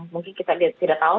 dan yang mungkin kita tidak tahu